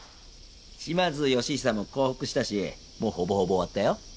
島津義久も降伏したしもうほぼほぼ終わったよ。